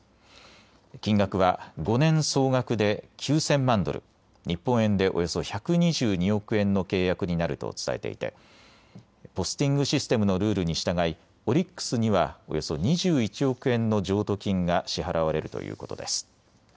金額は５年総額で９０００万ドル、日本円でおよそ１２２億円の契約になると伝えていてポスティングシステムのルールに従いオリックスにはおよそ２１億円の譲渡金が支払われるということです。